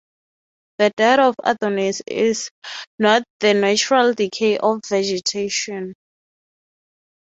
The death of Adonis is not tthe natural decay of vegetation.